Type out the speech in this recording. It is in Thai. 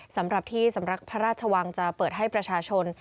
สำหรับที่สำนักพระราชวังจะเปิดให้ประชาชน